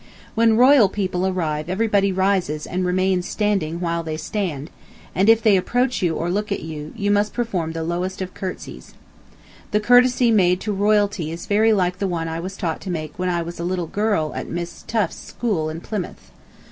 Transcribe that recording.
When royal people arrive everybody rises and remains standing while they stand, and if they approach you or look at you, you must perform the lowest of "curtsies." The courtesy made to royalty is very like the one I was taught to make when a little girl at Miss Tuft's school in Plymouth.